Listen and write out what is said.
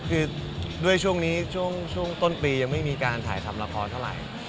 คือด้วยช่วงนี้ช่วงต้นปียังไม่มีการถ่ายทำละครเท่าไหร่